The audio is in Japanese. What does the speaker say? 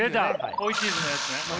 追いチーズのやつね。